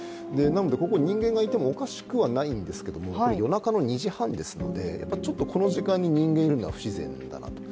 ここ人間がいてもおかしくないんですけれども夜中の２時半ですので、ちょっとこの時間に人間がいるのは不自然だなと。